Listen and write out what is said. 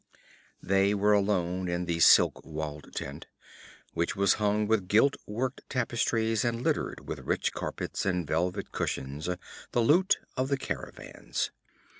They were alone in the silk walled tent, which was hung with gilt worked tapestries and littered with rich carpets and velvet cushions, the loot of the caravans.